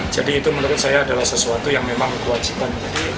jadi itu menurut saya adalah sesuatu yang memang kewajiban